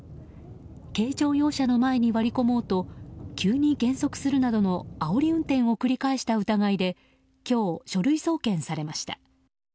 軽乗用車の前に割り込もうと急に減速するなどのあおり運転を繰り返した疑いで今日、書類送検されました。